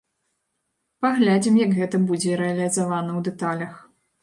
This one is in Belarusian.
Паглядзім, як гэта будзе рэалізавана ў дэталях.